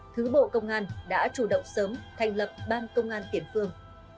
thứ bộ công an đã chủ động sớm thành lập ban công an tiền phương